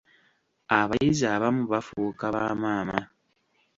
Abayizi abamu bafuuka ba maama.